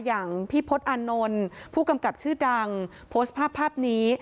อย่างพี่พศอานนท์ผู้กำกับชื่อดังโพสต์ภาพภาพนี้